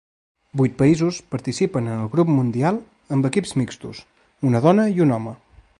Vuit països participen en el Grup Mundial amb equips mixtos, una dona i un home.